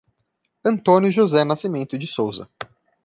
Antônio José Nascimento de Souza